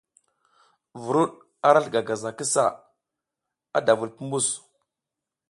Vuruɗ arasl gagaza ki sa, ada vul pumbus.